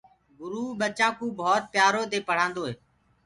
گُرو ٻچآنٚ ڪوُ ڀوت پيآرو دي پڙهآندو هي۔